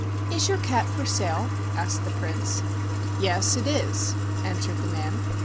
"Is your cat for sale ?" asked the Prince. "Yes, it is," answered the man.